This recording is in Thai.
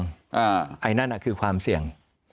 ตรงไหนเสี่ยง